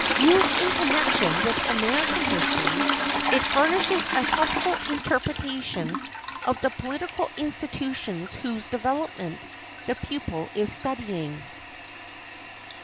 Used in connection with American history, it furnishes a helpful interpretation of the political institutions whose development the pupil is studying.